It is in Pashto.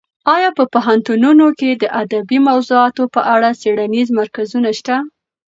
ایا په پوهنتونونو کې د ادبي موضوعاتو په اړه څېړنیز مرکزونه شته؟